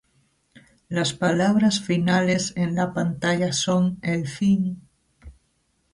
Las palabras finales en la pantalla son "El fin...